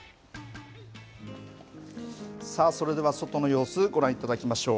さあ、それでは外の様子ご覧いただきましょう。